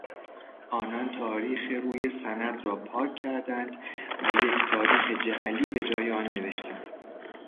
آنان تاریخ روی سند راپاک کردند و یک تاریخ جعلی به جای آن نوشتند.